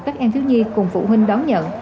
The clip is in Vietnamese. các em thiếu nhi cùng phụ huynh đón nhận